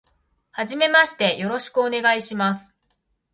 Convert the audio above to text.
はじめまして、よろしくお願いします。